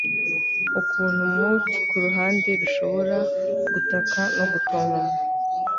ukuntu mutt kuruhande rushobora gutaka no gutontoma